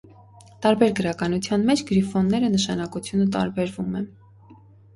Տարբեր գրականության մեջ գրիֆոնները նշանակությունը տարբերվում է։